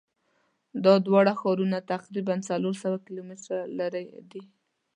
دا دواړه ښارونه تقریبآ څلور سوه کیلومتره لری دي.